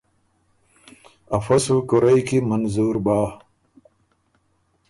افۀ سو کورئ کی منظور بَۀ،